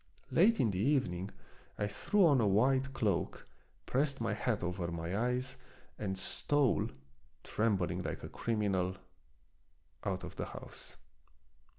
Late in the evening I threw on a wide cloak, pressed my hat over my eyes, and stole, trembling like a crimi nal, out of the house.